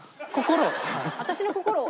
私の心を？